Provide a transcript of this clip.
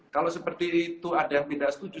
kalau seperti itu ada yang tidak setuju